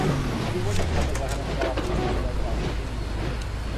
Původní chata zahrnovala pouze jídelnu a kuchyni.